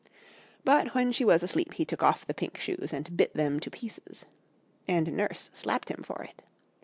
But when she was asleep he took off the pink shoes and bit them to pieces. And Nurse slapped him for it.